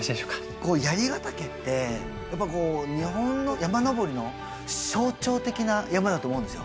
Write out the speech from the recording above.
こう槍ヶ岳ってやっぱこう日本の山登りの象徴的な山だと思うんですよ。